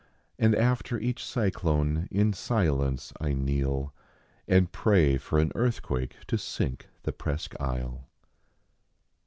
And after each cyclone in silence I kneel And prav for an earthquake to sink the Presque Isle.